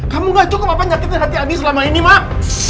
kamu gak cukup apa nyakitin hati abi selama ini mak